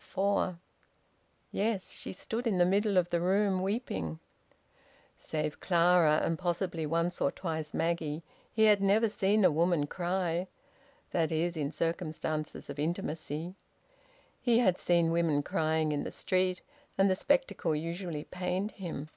FOUR. Yes! She stood in the middle of the room weeping. Save Clara, and possibly once or twice Maggie, he had never seen a woman cry that is, in circumstances of intimacy; he had seen women crying in the street, and the spectacle usually pained him.